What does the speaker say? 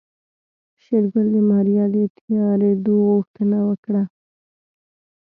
شېرګل د ماريا د تيارېدو غوښتنه وکړه.